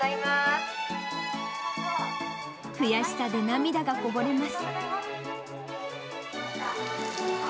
悔しさで涙がこぼれます。